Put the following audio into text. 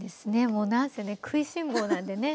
もうなんせね食いしん坊なんでね。